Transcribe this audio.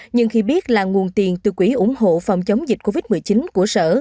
nhưng khi biết là nguồn tiền từ quỹ ủng hộ phòng chống dịch covid một mươi chín của sở